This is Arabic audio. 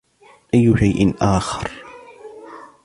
أي شيء آخر.